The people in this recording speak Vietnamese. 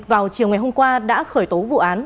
vào chiều ngày hôm qua đã khởi tố vụ án